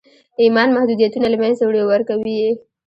ایمان محدودیتونه له منځه وړي او ورکوي یې